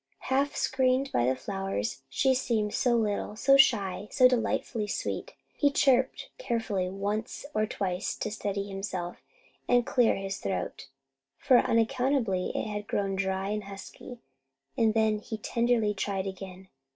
Half screened by the flowers, she seemed so little, so shy, so delightfully sweet. He "chipped" carefully once or twice to steady himself and clear his throat, for unaccountably it had grown dry and husky; and then he tenderly tried again.